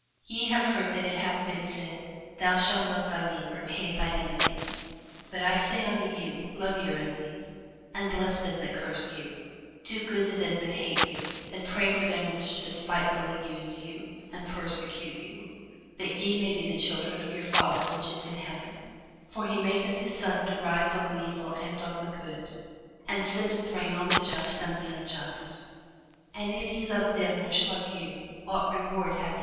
Ye have heard that it hath been said, Thou shalt love thy neighbour, and hate thine enemy. But I say unto you, Love your enemies, bless them that curse you, do good to them that hate you, and pray for them which despitefully use you, and persecute you; that ye may be the children of your Father which is in heaven: for he maketh his sun to rise on the evil and on the good, and sendeth rain on the just and on the unjust. For if ye love them which love you, what reward have ye?